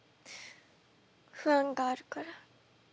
不安があるから。